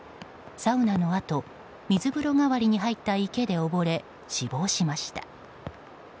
サウナのあと水風呂代わりに入った池で溺れ、死亡しました。